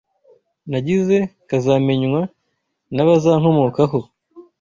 nagize kazamenywa n’abazankomokaho.